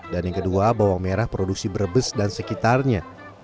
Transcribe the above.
dan yang kedua bawang merah produksi brebes dan sekitarnya